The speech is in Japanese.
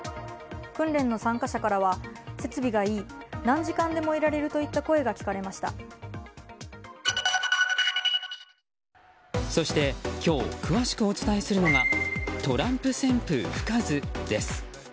訓練の参加者からは、設備がいい何時間でもいられるといった声がそして今日詳しくお伝えするのがトランプ旋風吹かずです。